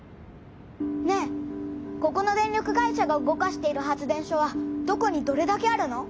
ねえここの電力会社が動かしている発電所はどこにどれだけあるの？